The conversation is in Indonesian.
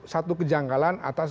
satu kejanggalan atas